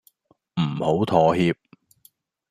唔好妥協